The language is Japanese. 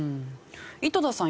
井戸田さん